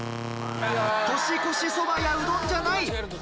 「年越しそばやうどん」じゃない。